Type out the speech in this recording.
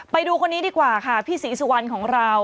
ไปดูคนนี้ดีกว่าค่ะพี่ศรีสุวรรณของเรา